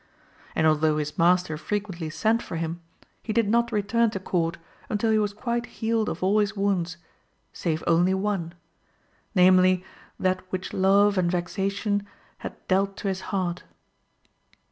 And although his master frequently sent for him, he did not return to Court until he was quite healed of all his wounds, save only one namely, that which love and vexation had dealt to his heart.